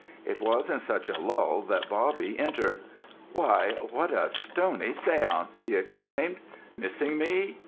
It was in such a lull that Bobby entered. "Why, what a stony séance!" he exclaimed. "Missing me?